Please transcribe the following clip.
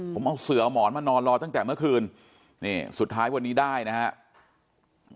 ผมเอาเสือหมอนมานอนรอตั้งแต่เมื่อคืนนี่สุดท้ายวันนี้ได้นะครับ